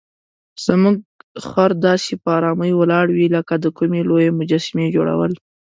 زموږ خر داسې په آرامۍ ولاړ وي لکه د کومې لویې مجسمې جوړول.